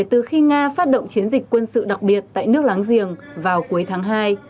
từ khi nga phát động chiến dịch quân sự đặc biệt tại nước láng giềng vào cuối tháng hai